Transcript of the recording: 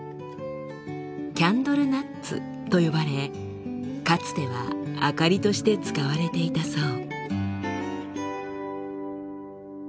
「キャンドルナッツ」と呼ばれかつては明かりとして使われていたそう。